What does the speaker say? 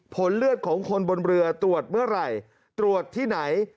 ผลเลือดของคนบนเรือตรวจเมื่อไหร่ตรวจที่ไหน